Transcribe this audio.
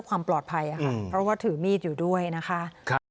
ความปลอดภัยค่ะเพราะว่าถือมีดอยู่ด้วยนะคะ